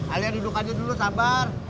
alian duduk aja dulu sabar